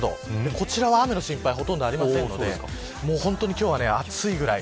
こちらは雨の心配はほとんどないので今日は暑いぐらい。